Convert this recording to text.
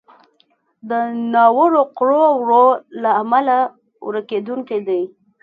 د ناوړو کړو وړو له امله ورکېدونکی دی.